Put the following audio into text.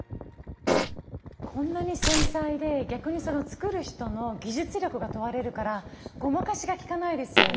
こんなに繊細で逆にその作る人の技術力が問われるからごまかしがきかないですよね。